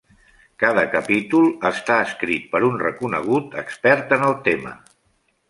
Cada capítol està escrit per un reconegut expert en el tema.